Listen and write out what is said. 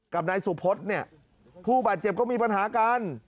กับนายสุพธเนี่ยผู้บาดเจ็บก็มีปัญหากัน